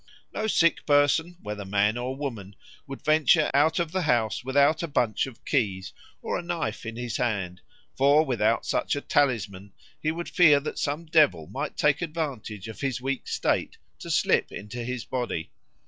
No sick person, whether man or woman, would venture out of the house without a bunch of keys or a knife in his hand, for without such a talisman he would fear that some devil might take advantage of his weak state to slip into his body.